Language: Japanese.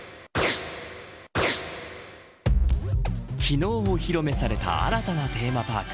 昨日お披露目された新たなテーマパーク。